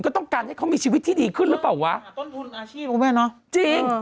ก็ต้องการให้เขามีชีวิตที่ดีขึ้นหรือเปล่าวะต้นทุนอาชีพคุณแม่เนอะจริง